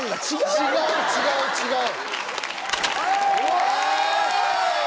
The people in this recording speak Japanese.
違う違う違う。